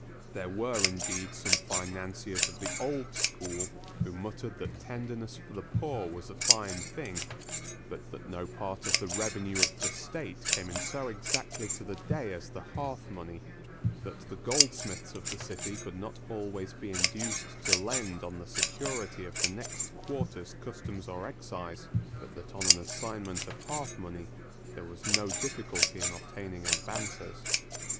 There were indeed some financiers of the old school who muttered that tenderness for the poor was a fine thing; but that no part of the revenue of the state came in so exactly to the day as the hearth money; that the goldsmiths of the City could not always be induced to lend on the security of the next quarter's customs or excise, but that on an assignment of hearth money there was no difficulty in obtaining advances.